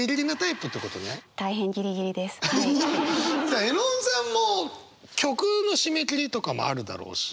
さあ絵音さんも曲の締め切りとかもあるだろうし。